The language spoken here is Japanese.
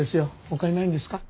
他にないんですか？